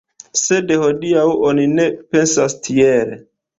Sed hodiaŭ oni ne pensas tiel.